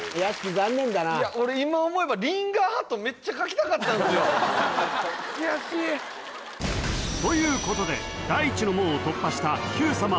いや俺今思えばということで第一の門を突破した「Ｑさま！！」